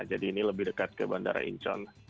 jadi ini lebih dekat ke bandara incheon